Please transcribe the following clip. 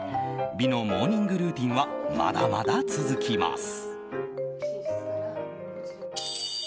美のモーニングルーティンはまだまだ続きます。